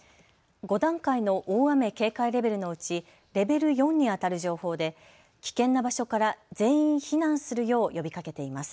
５段階の大雨警戒レベルのうちレベル４にあたる情報で危険な場所から全員避難するよう呼びかけています。